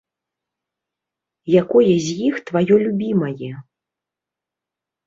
Якое з іх тваё любімае?